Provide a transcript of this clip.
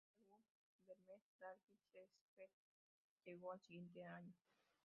El segundo álbum Velvet Darkness They Fear llegó al siguiente año.